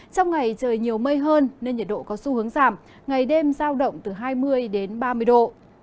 trong ngày trời nhiều mây hơn nên nhiệt độ có xu hướng giảm ngày đêm giao động từ hai mươi đến ba mươi độ